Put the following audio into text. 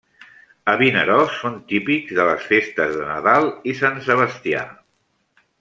A Vinaròs són típics de les festes de Nadal i Sant Sebastià.